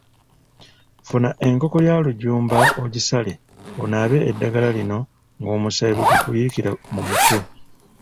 Funa enkoko ya lujumba ogisale onaabe eddagala lino ng'omusaayi bwe gukuyiikira mu mutwe.